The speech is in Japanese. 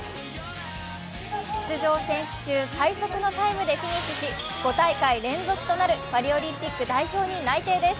出場選手中最速のタイムでフィニッシュし５大会連続となるパリオリンピック代表に内定です。